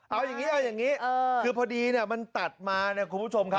เอาอย่างนี้คือพอดีมันตัดมานะคุณผู้ชมครับ